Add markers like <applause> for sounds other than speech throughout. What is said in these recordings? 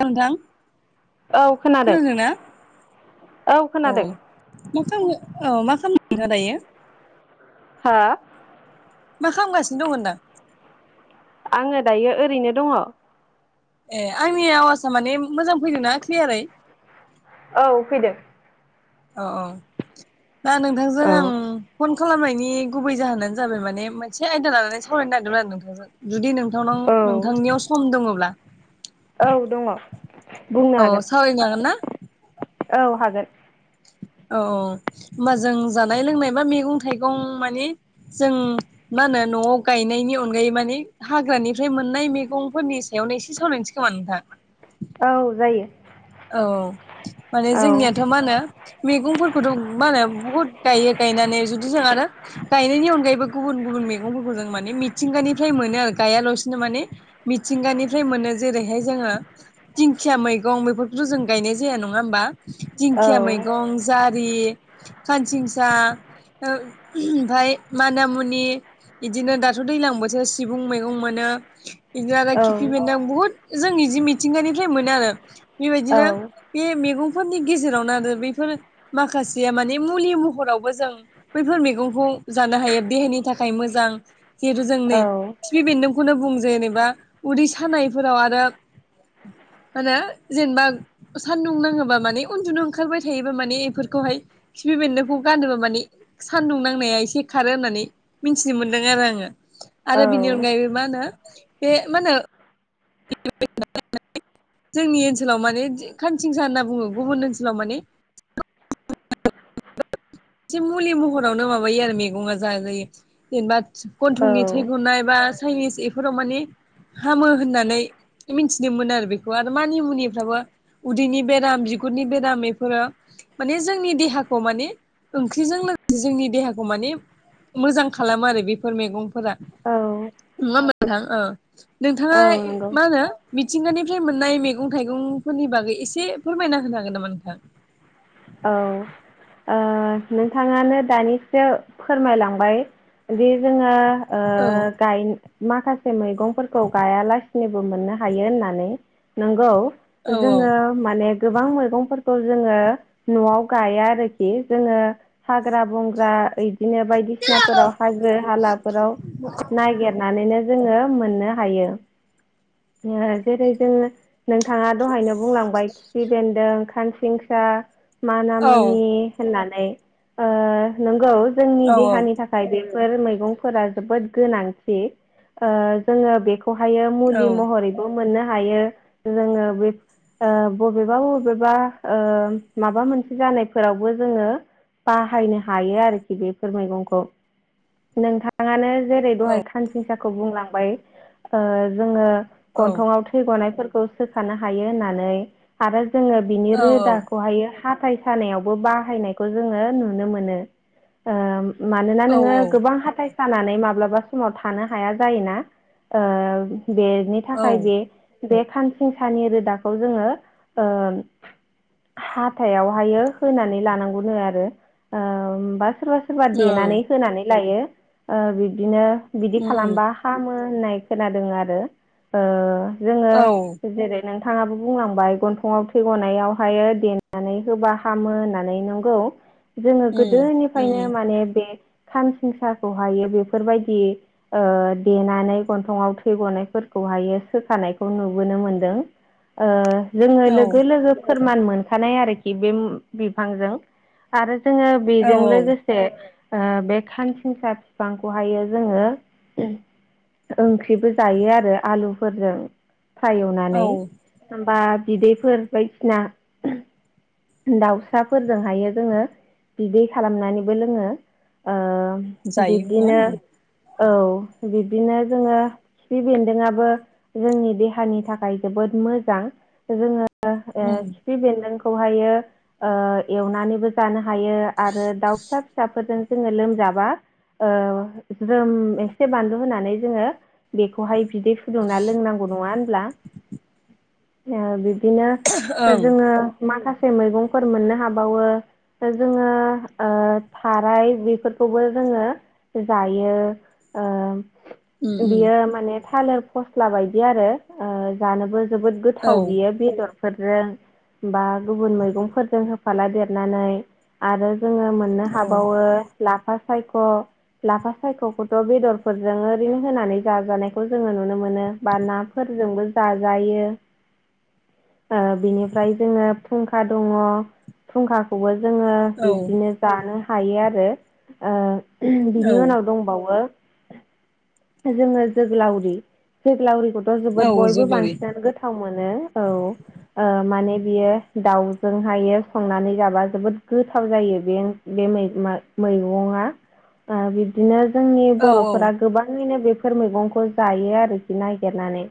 नोंथां औ खोनादों खोनादोंना औ मा खालामो औ मा खालामो नोंथां दायो? हा मा खामगासिनो दं होनदों आं आङो दायो ओरैनो दङ। ए आंनि आवाजआ माने मोजां फैदों ना क्लियारै? औ फैदों। अ-अ दा नोंथांजों आं औ फन खालामनायनि गुबै जाहोनानो जाबाय माने मोनसे आयदा लानानै सावरायनो नागिरदोंमोन आरो नोंथांजों जुदि नों नोंथांनाव औ नोंथांनियाव सम दङब्ला। औ दङ बुंनो औ हागोन सावरायजागोन ना? औ हागोन औ-औ होनबा जों जानाय लोंनाय बा मैगं थाइगं माने जों मा होनो न'आव गायनायनि अनगायै मानिे हाग्रानिफ्राय मोननाय मैगंफोरनि सायावनो एसे सावरायनोसै खो मा नोंथां। औ जायो औ माने औ जोंनियाथ' मा होनो मैगंफोरखौथ' मा होनो बुहुत गायो गायनानै जुदि जों आरो गायनायनि अनगायैबो गुबुन गुबुन मैगंफोरखौ जों माने मिथिंगानिफ्राय मोनो आरो गयालासिनो माने मिथिंगानिफ्राय मोनो जेरैहाय जोङो दिंखिया मैगं बेफोरखौथ' जों गायनाय जाया नङा होमबा? दिंखिया औ मैगं जारि, खानसिंसा ओमफाय मानामुनि बिदिनो दाथ' दैज्लां बोसोर सिबुं मैगं मोनो बिदिनो आरो औ खिफि बेन्दों बुहुत जोंनि जि मिथिंगानिफ्राय मोनो आरो बेबायदिनो बे मैगंफोरनि गेजेरावनो आरो बे बेफोर माखासेया माने मुलि महरावबो जों बैफोर मैगंखौ जानो हायो देहानि थाखाय खाय मोजां जिहेथु जों नै औ खिफि बेन्दोंखौनो बुं जेनेबा उदै सानायफोराव आरो माहोनो जेनेबा सान्दुं नाङोबा माने उन्दुनो ओंखारबाय थायोबा माने बेफोरखौहाय खिफि बेन्नोखौ गानोबा माने सान्दुं नांनाया एसे खारो होननानै मिथिनो मोनदों आरो आङो आरो बेनि अनगायैबो मा होनो बे मा होनो <unintelligible> जोंनि ओनसोलाव माने खानसिंसा होनना बुङो गुबुन ओनसोलाव माने <unintelligible> एसे मुलि महरावनो माबायो आरो मैगङआ जाजायो जेनेबा औ गन्थंनि थै गुननाय बा चाइनिस बेफोराव माने हामो होननानै मिथिदोंमोन आरो बेखौ आरो मानि मुनिफ्राबो उदैनि बेराम बिगुरनि बेराम बेफोरो माने जोंनि देहाखौ माने ओंख्रिजों लोगोसे जोंनि देहाखौ माने मोजां खालामो आरो बेफोर मैगं फोरा। नङा होमबा ओं नोंथाङा औ नंगौ मा होनो मिथिंगानि मोननाय मैगं थाइगंफोरनि बागै एसे फोरमायना होनो हागोन नामा नोंथां? औ ओ नोंथाङानो दानिसो फोरमायलांबाय दि जोङो ओ औ गाय माखासे मैगंफोरखौ गायालासिनोबो मोननो हायो होननानै नोंगौ। औ जोङो माने गोबां मैगंफोरखौ जोङो न'आव गाया आरोखि जोङो हाग्रा बंग्रा बिदिनो बायदिसिनाफोराव हाजो हालाफोराव नागिरनानैनो जोङो मोननो हायो जेरै जोङो नोंथाङा दहायनो बुंलांबाय खिफि बेन्दों खानसिंसा मान मुनि औ होननानै ओ नंगौ जोंनि औ देहानि औ थाखाय बे फोर मैगंफोरा जबोद गोनांथि ओ जोङो बे खौहायो मुलि औ महरैबो मोननो हायो। जोङो बे ओ बबेबा बबेबा ओ माबा मोनसे जानायफोरावबो जोङो बाहायनो हायो आरोखि बेफोर मैगंखौ। नोंथाङानो जेरै औ दहाय खानसिंसाखौ बुंलांबाय ओ जोङो औ गन्थङाव थै गनायफोरखौ सोखानो हायो होननानै आरो जोङो बिनि औ रोदाखौ बियो हाथाय सानायावबो बाहायनायखौ जोङो नुनो मोनो ओ मानोना औ नोङो गोबां हाथाय सानानै माब्लाबा समाव थानो हाया जायोना ओ बेनि औ थाखाय ओ बे खानसिंसानि रोदाखौ जोङो ओ हाथायाव हायो होनानै लानांगौनो आरो ओम बा सोरबा सोरबा देनानै होनानै लायो बिब्दिनो बिदि उम खालामबा हामो। होननाय खोनादों आरो ओ जोङो जेरै नोंथां थाङाबो बुंलांबाय गन्थङाव थै गनायाव देनानै होबा हामो होननानै नंगौ। जोङो गोदोनिफ्रायनो उम माने बे खानसिंसाखौ हाय बेफोरबायदि देनानै गन्थङाव थै गनायफोरखौ हाय सोखानायखौ नुबोनो मोनदों। ओ जोङो लोगो लोगो फोरमान मोनखानाय आरोखि बे बिफांजों आरो जोङो बेजों औ लोगोसे बे खानसिंसा बिफांखौहायो जोङो ओंख्रिबो जायो आरो आलुफोरजों। फ्राय एवनानै होनबा बिदैफोर बायदिसिना दाउसाफोरजों हाय जोङो बिदै खालामनानैबो लोङो। ओ जायोना बिब्दिनो औ बिब्दिनो जोङो खिफि बेन्दोंआबो जोंनि देहानि थाखाय जोबोद मोजां। जोङो ओ ओं खिफि बेन्दोंखौहाय ओ एवनानैबो जानो हा यो आरो दाउ फिसा फिसाफोरजों जोङो लोमजाबा ज्रोम एसे बानलु होनानै जोङो बेखौहाय बिदै फुदुंना लोंनांगौ नङा होनब्ला। ओ बिब्दिनो ओं जोङो माखासे मैगंफोर मोननो हाबावो जोङो थाराय बेफोरखौबो जो जोङो जायो। ओ उम उम बियो माने थालिर फस्ला बायदि आरो जानोबो जोबोद औ गोथाव बियो बेदर जों बा गुबुन मैगंफोरजों होफाला देरनानै आरो जोङो मोननो औ हाबावो ला लाफा सायख' लाफा सायख'खौथ' बेदरफोरजों ओरैनो होनानै जाजानायखौ जोङो नुनो मोनो। मोनो बा ना फोरजोंबो जाजायो। ओ बिनिफ्राय जोङो फुंखा दङ फुंखाखौबो जोङो औ बिब्दिनो जानो हायो आरो औ बिनि उनाव दंबावो जोङो जोग्लावरि-जोग्लावरि खौथ' औ जोबोद बयबो जोगलावरि बांसिनानो गोथाव मोनो। औ ओ माने बियो दाउजोंहाय संनानै जाबा जोबोद गोथाव जायो बे मैगंआ बिबदिनो जोंनि औ औ बर'फोरा गोबाङैनो बे फोर मैगंखौ जायो आरोखि नागिरनानै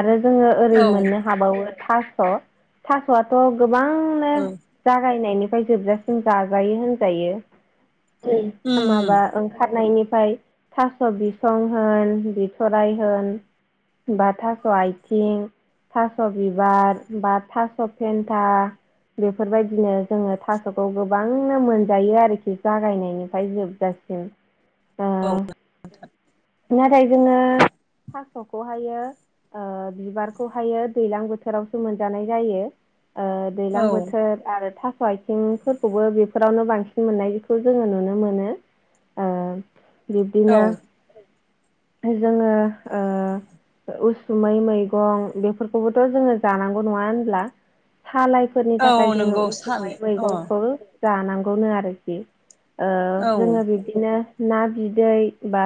आरो जोङो ओरै औ मोननो हाबावो थास'- थास'आथ' गोबांनो औ जागायनायनि फ्राय जोबजासिम जाजायो होनजायो उम उम माबा ओंखारनायनि फ्राय थास' बिसं होन बिथ'राय होन बा थास'आइथिं थास' बिबार बा थास' फेन्था बेफोरबायदिनो जोङो थास'खौ गोबांनो मोनजायो आरोखि जागायनायनिफ्राय जोबजासिम। <unintelligible> औ नाथाय जोङो थास'खौहायो बिबारखौहायो दैज्लां बोथोरावसो मोनजानाय जायो ओ दैज्लां औ बोथोर आरो थास'आइथिंफोरखौबो बेफोरावनो बांसिन मोननायखौ जोङो नुनो मोनो औ बिब्दिनो जोङो ओ उसुमै मैगं बे फोरखौबोथ' जोङो जानांगौ नङा ओनब्ला? सालायफोरनि औ थाखाय जोङो नंगौ उसुमै सानो अ मैगंखौ जानांगौनो आरोखि। ओ औ जोङो बिब्दिनो ना बिदै बा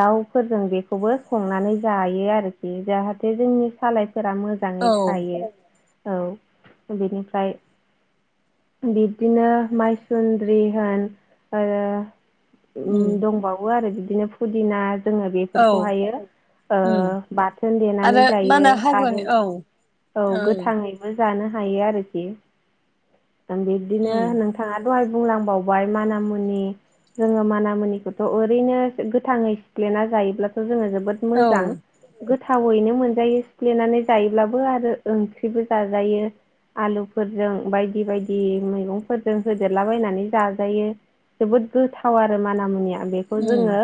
दाउफोरजों बेखौबो संनानै जायो आरोखि जाहाथे जोंनि सालाय फोरा मोजाङै औ थायो औ बेनिफ्राय बिब्दिनो माइसुन्द्रि होन ओ उम दंबावो आरो बिदिनो फुदिना जोङो औ बेफोरखौहायो ओ उम बाथोन आरो देनानै मा जायो। होनो आरो हाग्रानि औ औ गोथाङैबो जानो हायो आरोखि बिब्दिनो नोंथाङा दहाय बुंलांबावबाय माना मुनि जोङो माना मुनिखौथ' ओरैनो गोथाङै सिफ्लेना जायोब्लाथ' जोङो जो बोद औ मोजां गोथावैनो मोनजायो सिफ्लेनानै जायोब्लाबो आरो ओंख्रिबो जाजायो। आलुफोरजों बायदि बायदि मैगंफोरजों होदेरलाबायायनानै जाजायो। जोबोद गोथाव आरो माना मुनिया बेखौ उम जोङो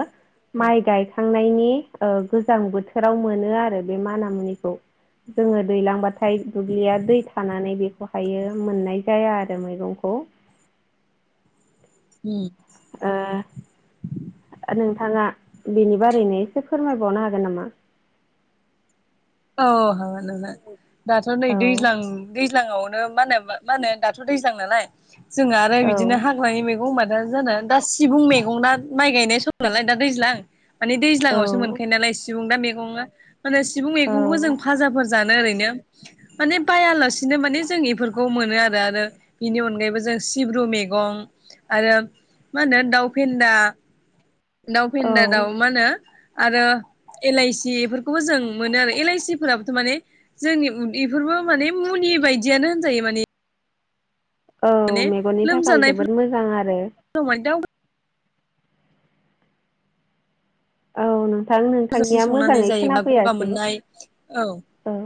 माइ गायखांनायनि ओ गोजां बोथोराव मोनो आरो बे माना मुनि खौ जोङो दैलांबाथाय दुब्लिया दै थानानै बे खौहायो मोननाय जाया आरो मैगंखौ। उम ओ ओ नोंथाङा बिनि बारैनो एसे फोरमायबावनो हागोन नामा? औ <unintelligible> दाथ' नै औ दैज्लां दैज्लांआव ओ मानो मानो दाथ' दैज्लां नालाय जों आरो औ बिदिनो हाग्रानि मै <unintelligible> दा जानो दा सिबुं मैगंना माइ गायनाय सम नालाय दा दैज्लां माने दैज्लांआवसो औ मोनखायो नालाय सिबुं दा मैगङा मानो सिबुं औ मैगंखौ जों फाजाफोर जानो ओरैनो माने बायालासिनो माने जों इफोरखौ मोनो आरो आरो इनि अनगायैबो जों सिब्रु मैगं आरो मा होनो दाउ फेन्दा दाउ औ फेन्दा दाउ मा होनो आरो एलाइसि इफोरखौबो जों मोनो आरो एलइसि फोराबोथ' माने जोंनि इफोरबो माने मुलि लि बायदियानो होनजायो माने। औ माने मेगननि थाखाय जोबोद लोमजानायफोराव मोजां आरो। माने दाउ औ नों थां गोजासि नोंथांनिया संनानै मोजाङै जायोबा गगा खोनाफैयासै मोननाय औ औ।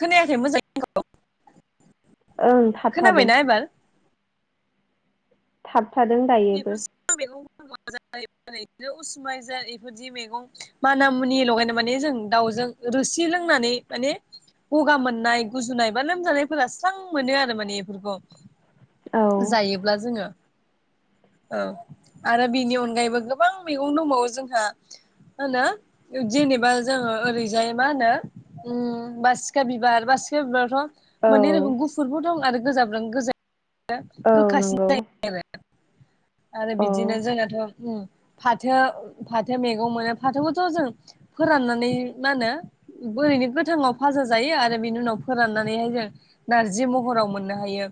खोनायाखै मोजां ओं थाबथादों। खोनाबायना एबार थाबथादों बेफोर दायोबो। <unintelligible> उसुमाय जा इफोरदि मैगं माना मुनि लगायना माने जों दाउ जों रोसि लोंनानै माने ग'गा मोननाय गुजुनाय बा लोमजानायफोरा स्रां मोनो आरो माने इफोरखौ औ जायोब्ला जोङो। औ आरो बिनि अनगायैबो गोबां मैगं दंबावो जोंहा मा होनो जेनेबा जोङो ओरैजाय मा होनो उम बासिखा बिबार बा <unintelligible> औ मोननै रोखोम गुफुरबो दं आरो गोजाबो दं गोजाया औ गोखासिन नंगौ जायो आरो। आरो औ बिदिनो जोंनाथ' उम। फाथो फाथो मेगं मोनो फाथोखौथ' जों फोराननानै मा होनो ओरैनो गोथाङाव फाजा जायो आरो बेनि उनाव फोराननानैहाय जों नार्जि महराव मोननो हायो।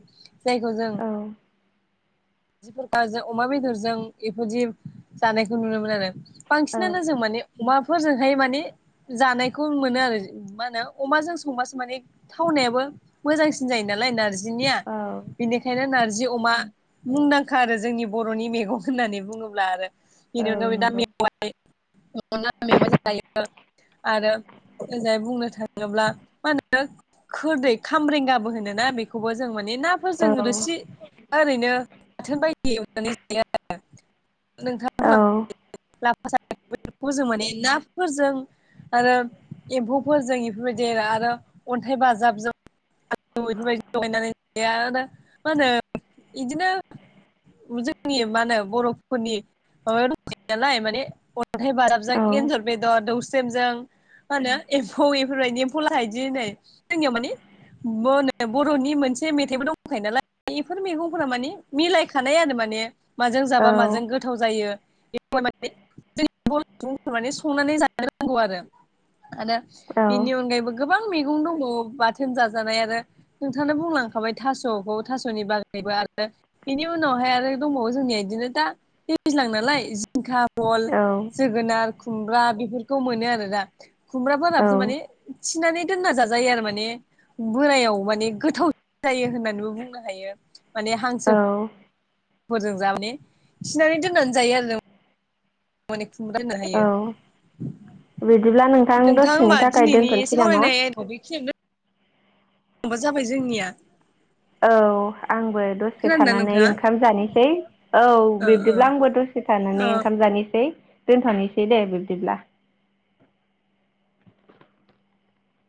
जायखौ जों औ <unintelligible> जों अमा बेदरजों बेफोरदि जानायखौ नुनो मोनो आरो औ बांसिनानो जों माने अमा। फोरजोंहाय माने जानायखौ मोनो आरो मा होनो अमाजों संबासो माने थावनायाबो। मोजांसिन जायो नालाय नार्जिनिया औ बेनिखायनो नार्जि अमा। मुंदांखा आरो जोंनि बर'नि मेगं होननानै बुङोब्ला आरो औ बेनि उनाव दा नंगौ <unintelligible> <unintelligible> आरो ओजाय बुंनो थाङोब्ला मा होनो खोरदै खामरेंगाबो होनोना? <unintelligible> बेखौबो जों। माने नाफोरजों औ रोसि ओरैनो बाथोन बायदि एवनानै जायो आरो। औ। फोरखौ जों माने नाफोरजों। आरो एम्फौफोर जों इफोरबायदि आरो अन्थाइ बाजाबजों। <unintelligible> मा होनो बिदिनो। जोंनि मा होनो बर'फोरनि माबायाव दं नालाय माने। अन्थाय बाजाबजों एनजर बेदर, दौस्रेम। जों मा होनो एम्फौ इफोरबायदि एम्फौ लाथा बायदि नै जोंनियाव मानि। बर'नि मोनसे मेथाइबो दंखायो नालाय बेफोर मैगंफोरा माने। मिलाय खानाय आरो माने माजों जाबा माजों गोथाव जायो। माने जों बर' सुबुं माने संनानै जानो रांगौ आरो आरो। औ बिनि अनगायैबो गोबां। गोबां मैगं दङ' बाथोन जाजानाय आरो नोंथाङा बुंलांखाबाय थास'खौ थास'नि बागैबो आरो। बेनि उनावहाय आरो दंबावो जोंनिया बिदिनो दा दैज्लां नालाय जिंखा। बहल, औ जोगोनार, खुमब्रा बेफोरखौ मोनो आरो दा। खुमब्राफोराबो माने थिनानै। दोनना जाजायो आरो माने बोरायाव माने गोथाव जायो होननानैबो बुंनो हायो। माने हांसो। औ फोरजों जाजायो माने थिनानै दोननानै जायो आरो। माने खुंमब्रा होननो हायो। औ बिदिब्ला नोंथां दसेनि होमबा थाखाय दिनैनि दोनथ'नोसै नामा? सावरायनाय आयदायाव बेखिनिनो। समाबो जाबाय जोंनिया। औ आंबो दसे खोनादोंना थानानै नोंथाङा? ओंखाम जानोसै। औ ओ ओ बिब्दिब्ला आंबो दसे थानानै ओ ओंखाम जानिसै। दोनथ'नोसै दे बिब्दिब्ला।